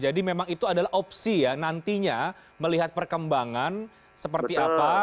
jadi memang itu adalah opsi ya nantinya melihat perkembangan seperti apa